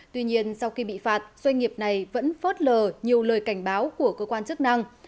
tuy nhiên sau khi bị phạt doanh nghiệp này vẫn phớt lờ nhiều lời cảnh báo của cơ quan chức năng